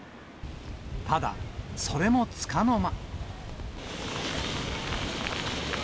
ただ、それもつかの間。